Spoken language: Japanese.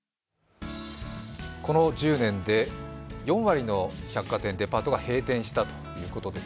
この１０年で４割の百貨店、デパートが閉店したということです。